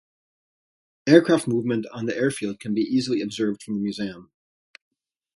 Aircraft movement on the airfield can be easily observed from the museum.